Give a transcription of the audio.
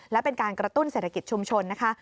และเป็นการกระตุ้นเศรษฐกิจชุมชนนะคะ